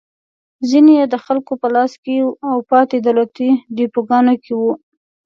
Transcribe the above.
ځینې یې د خلکو په لاس کې او پاتې دولتي ډېپوګانو کې وو.